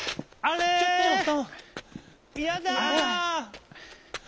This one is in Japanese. ・「ちょっと！」。